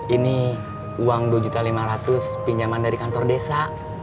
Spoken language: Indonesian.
ini uang dua lima ratus pinjaman dari kantor desa